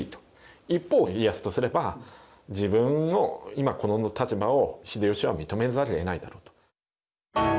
一方家康とすれば自分の今この立場を秀吉は認めざるをえないだろうと。